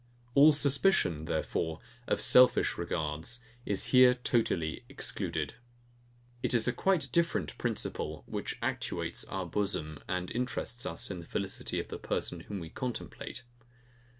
All suspicion, therefore, of selfish regards, is here totally excluded. It is a quite different principle, which actuates our bosom, and interests us in the felicity of the person whom we contemplate.